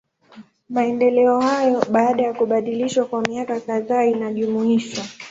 Maendeleo hayo, baada ya kubadilishwa kwa miaka kadhaa inajumuisha.